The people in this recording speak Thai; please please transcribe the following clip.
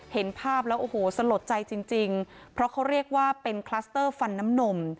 เห็นภาพแล้วโอ้โหสลดใจจริงเพราะเขาเรียกว่าเป็นคลัสเตอร์ฟันน้ำนม